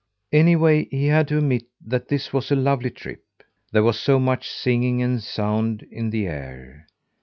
Anyway, he had to admit that this was a lovely trip. There was so much singing and sound in the air.